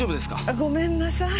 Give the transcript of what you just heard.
ごめんなさい。